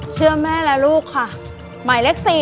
เชื่อแม่และลูกค่ะหมายเลข๔